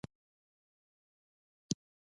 آزاد تجارت مهم دی ځکه چې روغتیا اسانوي.